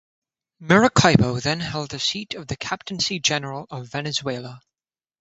Maracaibo then held the seat of the Captaincy General of Venezuela.